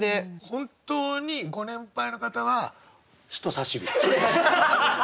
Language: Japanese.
本当にご年配の方は人さし指。